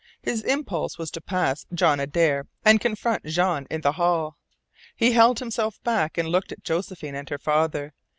His impulse was to pass John Adare and confront Jean in the hall. He held himself back, and looked at Josephine and her father.